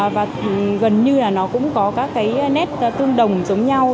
và gần như là nó cũng có các cái nét tương đồng giống nhau